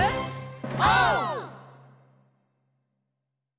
オー！